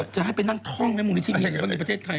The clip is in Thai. จะให้ไปนั่งท่องไหมมูลนิธิมียังไม่ได้ในประเทศไทย